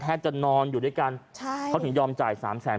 จะนอนอยู่ด้วยกันใช่เขาถึงยอมจ่ายสามแสน